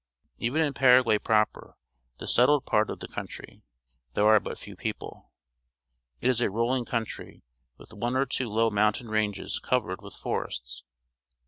Even in Paraguay proper— the settled part of the country— there are but few people. It is a rolling comitry, with one or two low mountain ranges covered with forests.